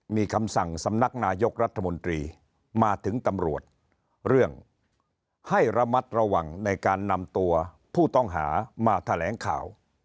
มีคำสั่งสำนักนายกรัฐมนตรีมาถึงตำรวจเรื่องให้ระมัดระวังในการนำตัวผู้ต้องหามาแถลงข่าว